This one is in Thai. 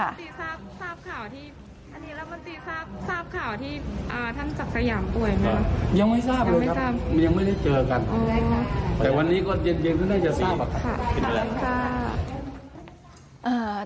ยังไม่ทราบเลยครับยังไม่ได้เจอกัน